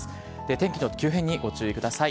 天気の急変にご注意ください。